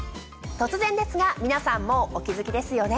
突然ですが皆さんもうお気付きですよね。